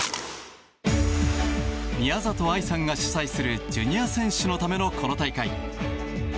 宮里藍さんが主催するジュニア選手のためのこの大会。